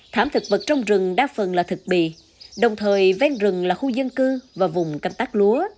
thảm thực vật trong rừng đa phần là thực bị đồng thời ven rừng là khu dân cư và vùng canh tác lúa